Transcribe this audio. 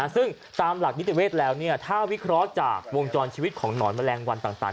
ซึ่งตามหลักนิติเวศแล้วถ้าวิเคราะห์จากวงจรชีวิตของหนอนแมลงวันต่าง